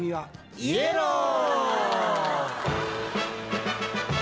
「イエロー」！